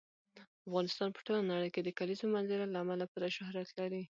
افغانستان په ټوله نړۍ کې د کلیزو منظره له امله پوره شهرت لري.